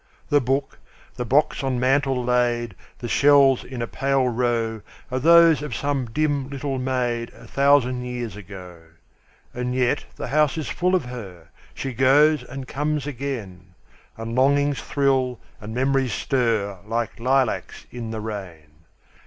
The book, the box on mantel laid, The shells in a pale row, Are those of some dim little maid, A thousand years ago. And yet the house is full of her; She goes and comes again; And longings thrill, and memories stir, Like lilacs in the rain.